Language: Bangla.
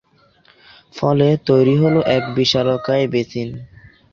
ফলে তৈরি হলো এক বিশালকায় বেসিন।